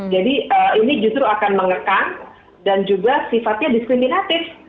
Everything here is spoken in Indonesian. jadi ini justru akan mengekang dan juga sifatnya diskriminatif